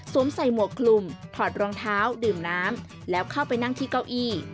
ใส่หมวกคลุมถอดรองเท้าดื่มน้ำแล้วเข้าไปนั่งที่เก้าอี้